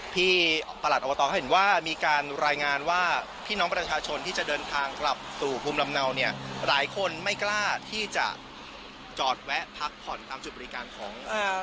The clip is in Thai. ประหลัดอบตเขาเห็นว่ามีการรายงานว่าพี่น้องประชาชนที่จะเดินทางกลับสู่ภูมิลำเนาเนี่ยหลายคนไม่กล้าที่จะจอดแวะพักผ่อนตามจุดบริการของ